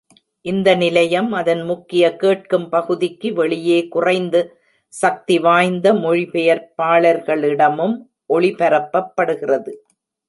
இந்த நிலையம் அதன் முக்கிய கேட்கும் பகுதிக்கு வெளியே குறைந்த சக்தி வாய்ந்த மொழிபெயர்ப்பாளர்களிடமும் ஒளிபரப்பப்படுகிறது.